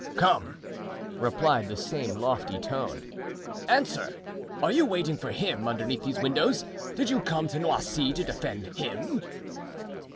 "Come," replied the same lofty tone, "answer! Are you waiting for him underneath these windows? Did you come to Noisy to defend him?"